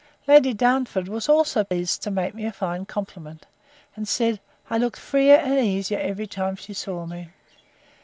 Lady Darnford was also pleased to make me a fine compliment, and said, I looked freer and easier every time she saw me.